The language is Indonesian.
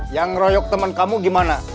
yang royok temen kamu gimana